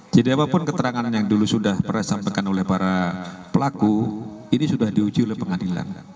jadi apapun keterangan yang dulu sudah disampaikan oleh para pelaku ini sudah diuji oleh pengadilan